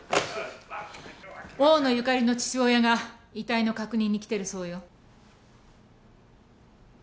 大野ゆかりの父親が遺体の確認に来てるそうよ。